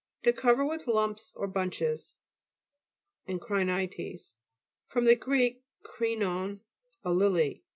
To cover with lumps or bunches. ENCRI'NITES fr. gr. krinon, a lily.